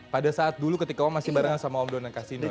pada saat dulu ketika om masih bareng sama om dona casino ya